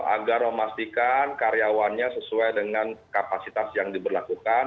agar memastikan karyawannya sesuai dengan kapasitas yang diberlakukan